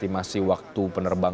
masih sekitar sepuluh menit